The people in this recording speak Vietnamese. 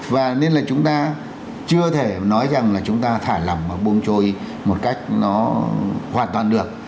và nên là chúng ta chưa thể nói rằng là chúng ta thả lỏng và buông trôi một cách nó hoàn toàn được